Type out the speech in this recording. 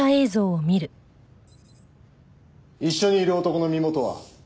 一緒にいる男の身元は？